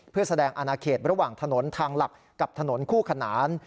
เพื่อแสดงอนาเขตระหว่างถนนทางหลักกับถนนคู่ขนาน